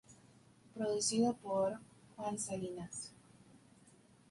Producido por: Juan Salinas.